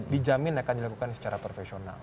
dijamin akan dilakukan secara profesional